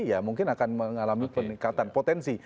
ya mungkin akan mengalami peningkatan potensi